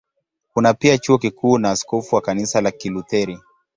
Kuna pia Chuo Kikuu na askofu wa Kanisa la Kilutheri.